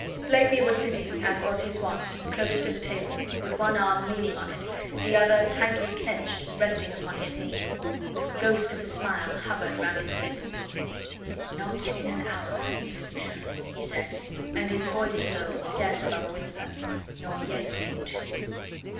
Blakeney was sitting as was his wont close to the table, with one arm leaning on it, the other, tightly clenched, resting upon his knee. A ghost of a smile hovered round his lips. "Not in an hour, citizen Heron," he said, and his voice flow was scarce above a whisper, "nor yet in two."